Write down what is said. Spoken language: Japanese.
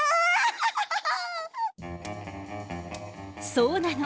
そうなの。